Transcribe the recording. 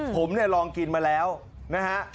ผมลองกินมาแล้วนะฮะ